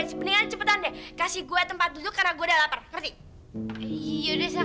kau behaviors ngerahan kyk gini ya jari bingung cepetan